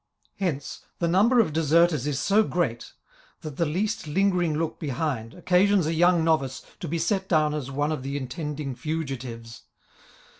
Hence the number of deserters is so great, that the least lingering look be hind occasions a young novice to be set down as one of the intending fugitives.